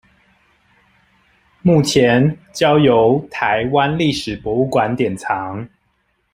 目前交由臺灣歷史博物館典藏